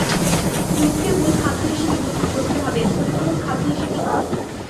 দুধকে মূল খাদ্য হিসেবে গ্রহণ করতে হবে, পরিপূরক খাদ্য হিসেবে নয়।